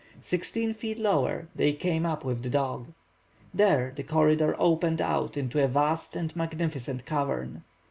Sixteen feet lower they came up with the dog. There, the corridor opened out into a vast and magnificent cavern.